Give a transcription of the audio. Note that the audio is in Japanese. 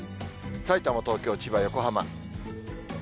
さいたま、東京、千葉、横浜。